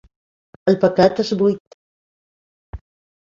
El paquet és buit.